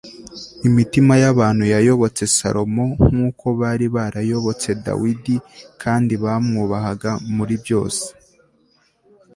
imitima y'abantu yayobotse salomo nk'uko bari barayobotse dawidi, kandi bamwubahaga muri byose